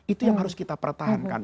itu yang harus kita pertahankan